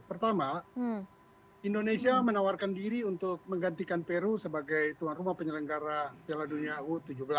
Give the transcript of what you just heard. pertama indonesia menawarkan diri untuk menggantikan peru sebagai tuan rumah penyelenggara piala dunia u tujuh belas